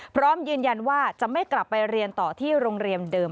พร้อมยืนยันว่าจะไม่กลับไปเรียนต่อที่โรงเรียนเดิม